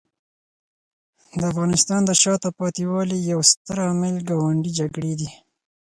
د افغانستان د شاته پاتې والي یو ستر عامل ګاونډي جګړې دي.